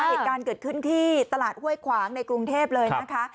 เหตุการณ์เกิดขึ้นที่ตลาดห้วยขวางในกรุงเทพเลยนะคะ